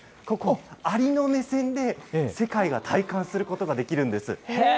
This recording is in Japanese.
ここ、アリの目線で世界が体感することができるんです。